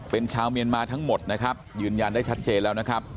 เป็นชาวเมียนมาทั้งหมดนะครับยืนยันได้ชัดเจนแล้วนะครับ